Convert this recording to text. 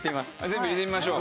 全部入れてみましょう。